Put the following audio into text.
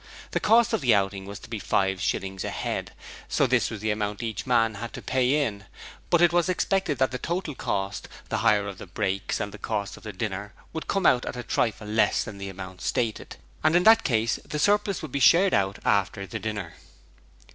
The cost of the outing was to be five shillings a head, so this was the amount each man had to pay in, but it was expected that the total cost the hire of the brakes and the cost of the dinner would come out at a trifle less than the amount stated, and in that case the surplus would be shared out after the dinner.